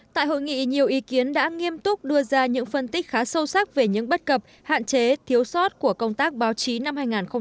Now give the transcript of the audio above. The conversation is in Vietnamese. tại hội nghị nhiều ý kiến đã nghiêm túc đưa ra những phân tích khá sâu sắc về những bất cập hạn chế thiếu sót của công tác báo chí năm hai nghìn một mươi tám